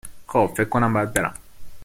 خوب ، فکر کنم باید برم